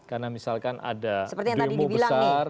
karena misalkan ada demo besar